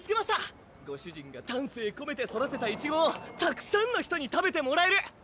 ご主人がたんせいこめて育てたいちごをたくさんの人に食べてもらえる！